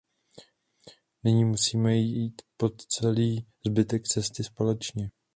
Nyní musíme jít po celý zbytek cesty společně.